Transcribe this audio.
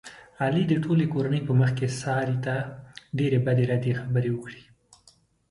علي د ټولې کورنۍ په مخ کې سارې ته ډېرې بدې ردې خبرې وکړلې.